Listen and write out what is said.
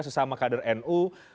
sesama kader nu